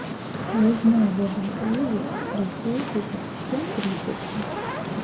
Калі зноў бяда прыйдзе, ратуйцеся, як прыйдзецца.